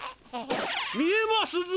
見えますぞ。